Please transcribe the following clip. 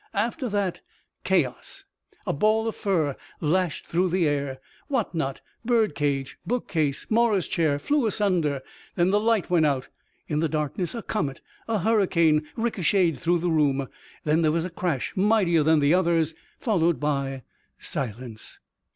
After that, chaos. A ball of fur lashed through the air. What not, bird cage, bookcase, morris chair flew asunder. Then the light went out. In the darkness a comet, a hurricane, ricochetted through the room. Then there was a crash mightier than the others, followed by silence.